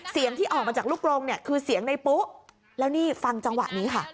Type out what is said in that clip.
เสียงที่ออกมาจากลูกโรงเนี่ยคือเสียงในปุ๊แล้วนี่ฟังจังหวะนี้ค่ะ